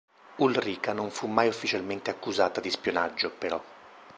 Ulrica non fu mai ufficialmente accusata di spionaggio, però.